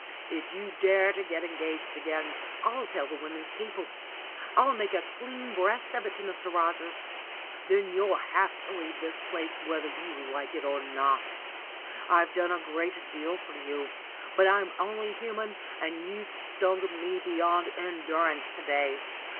If you dare to get engaged again, I'll tell the woman's people. I'll make a clean breast of it to Mr. Rogers. Then you'll have to leave this place whether you like it or not. I've done a great deal for you, but I'm only human, and you've stung me beyond endurance to day.